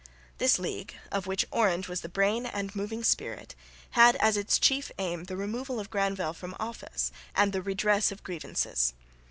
This league, of which Orange was the brain and moving spirit, had as its chief aim the removal of Granvelle from office, and then redress of grievances.